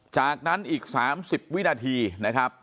จากนั้นอีก๓๐วินาทีนะครับ